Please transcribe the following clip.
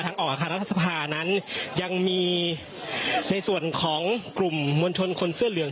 ออกอาคารรัฐสภานั้นยังมีในส่วนของกลุ่มมวลชนคนเสื้อเหลือง